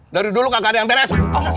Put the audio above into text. dari dulu kagak ada yang deres